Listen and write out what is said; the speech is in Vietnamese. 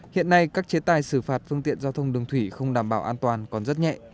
hiện nay các chế tài xử phạt phương tiện giao thông đường thủy không đảm bảo an toàn còn rất nhẹ